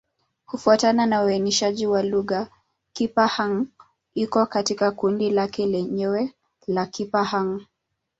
Kufuatana na uainishaji wa lugha, Kipa-Hng iko katika kundi lake lenyewe la Kipa-Hng.